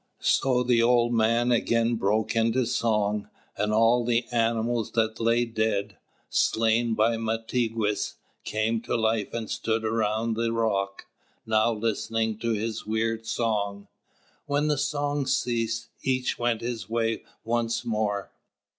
So the old man again broke into song, and all the animals that lay dead, slain by Mātigwess, came to life and stood around the Rock, now listening to his weird song. When the song ceased, each went his way once more.